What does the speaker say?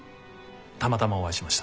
たまたまお会いしました。